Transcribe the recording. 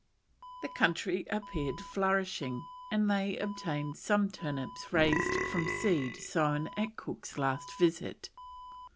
The country appeared flourishing, and they obtained some turnips raised from seed sown at Cook's last visit.